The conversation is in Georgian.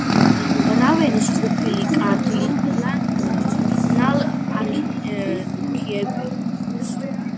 რავენის ყოფილი კარდინალ–არქიეპისკოპოსი.